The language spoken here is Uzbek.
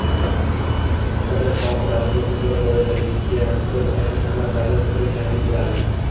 Sovet ittifoqi davrida senzura bor edi, lekin biz aynan nima davlat siri ekanligini bilardik.